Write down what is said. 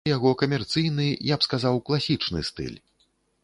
У яго камерцыйны, я б сказаў, класічны стыль.